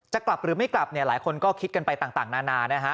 จะกลับหรือไม่กลับเนี่ยหลายคนก็คิดกันไปต่างนานานะฮะ